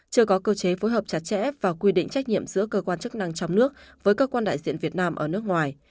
chưa có cơ chế phối hợp chặt chẽ và quy định trách nhiệm giữa cơ quan chức năng trong nước với cơ quan đại diện việt nam ở nước ngoài